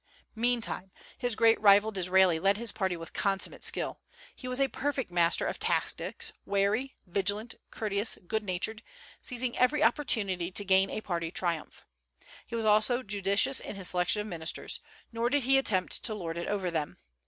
Meantime, his great rival Disraeli led his party with consummate skill. He was a perfect master of tactics, wary, vigilant, courteous, good natured, seizing every opportunity to gain a party triumph. He was also judicious in his selection of ministers, nor did he attempt to lord it over them.